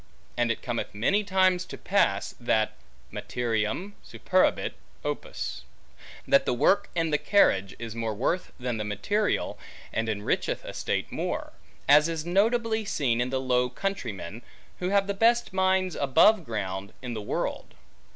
And it cometh many times to pass, that materiam superabit opus; that the work and carriage is more worth than the material, and enricheth a state more; as is notably seen in the Low Countrymen, who have the best mines above ground, in the world.